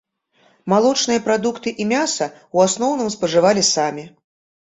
Малочныя прадукты і мяса ў асноўным спажывалі самі.